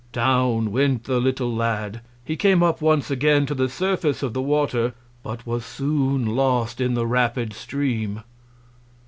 Down went the little Lad; he came up once again to the Surface of the Water; but was soon lost in the rapid Stream.